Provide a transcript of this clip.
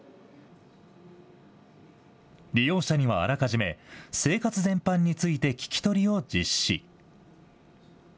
利用者にはあらかじめ生活全般について聞き取りを実施。